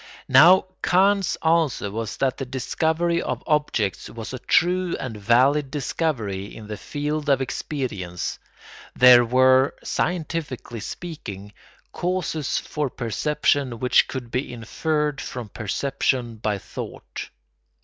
Now Kant's answer was that the discovery of objects was a true and valid discovery in the field of experience; there were, scientifically speaking, causes for perception which could be inferred from perception by thought.